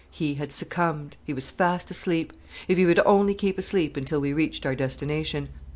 He had succumbed. He was fast asleep. If he would only keep asleep until we reached our destination!